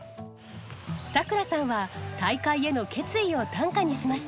桜さんは大会への決意を短歌にしました。